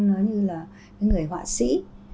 nó như là người họa sĩ